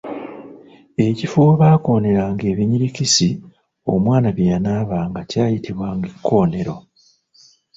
Ekifo we baakoneranga ebinyirikisi omwana bye yanaabanga kyayitibwanga Ekkonero.